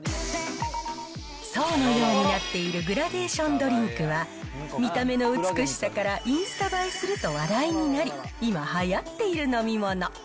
層のようになっているグラデーションドリンクは、見た目の美しさからインスタ映えすると話題になり、今、はやっている飲み物。